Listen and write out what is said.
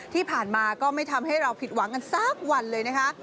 ที่ผ่านมาก็ไม่ทำให้เราผิดหวังกันสักวันเลยนะคะ